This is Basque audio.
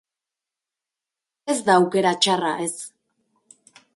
Ez da aukera txarra, ez.